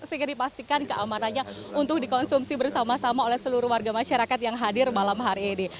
sehingga dipastikan keamanannya untuk dikonsumsi bersama sama oleh seluruh warga masyarakat yang hadir malam hari ini